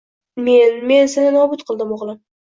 Men… men seni nobud qildim o‘g‘lim.